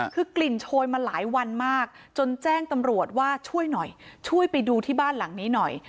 คือกลิ่นโชยมาหลายวันมากจนแจ้งตำรวจว่าช่วยหน่อยช่วยไปดูที่บ้านหลังนี้หน่อย